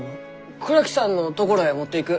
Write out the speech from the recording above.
倉木さんのところへ持っていく。